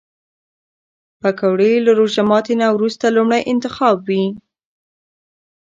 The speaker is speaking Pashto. پکورې له روژه ماتي نه وروسته لومړی انتخاب وي